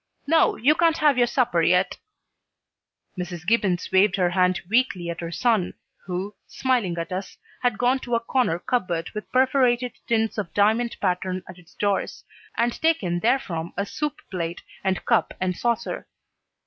No, you can't have your supper yet." Mrs. Gibbons waved her hand weakly at her son, who, smiling at us, had gone to a corner cupboard with perforated tins of diamond pattern in its doors, and taken therefrom a soup plate and cup and saucer.